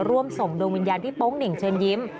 ร่วมส่งดวงวิญญาณพี่โป๊งเหน่งเชิญยิ้ม